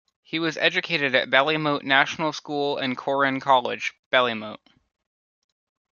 He was educated at Ballymote National School and Corran College, Ballymote.